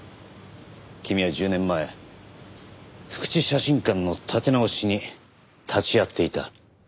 君は１０年前福地写真館の建て直しに立ち会っていた。